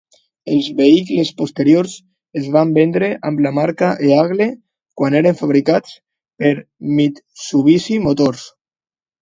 Els vehicles posteriors es van vendre amb la marca Eagle quan eren fabricats per Mitsubishi Motors.